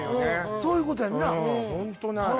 そういうことやんなうん